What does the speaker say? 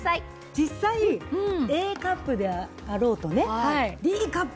実際ＡカップであろうとねＤカップ